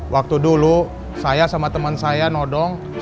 waktu dulu saya sama temen saya nodong si tetek kerudung